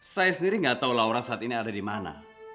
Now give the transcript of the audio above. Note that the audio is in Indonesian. saya sendiri nggak tahu laura saat ini ada dimana